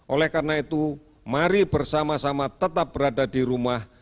oleh karena itu mari bersama sama tetap berada di rumah